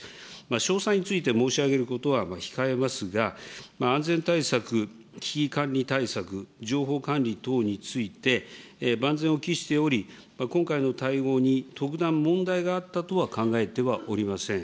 詳細について申し上げることは控えますが、安全対策、危機管理対策、情報管理等において、万全を期しており、今回の対応に特段問題があったとは考えてはおりません。